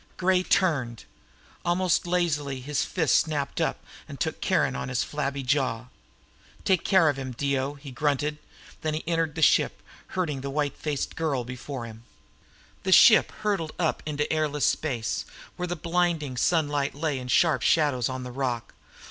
Gray turned. Almost lazily, his fist snapped up and took Caron on his flabby jaw. "Take care of him, Dio," he grunted. Then he entered the ship, herding the white faced girl before him. The ship hurtled up into airless space, where the blinding sunlight lay in sharp shadows on the rock.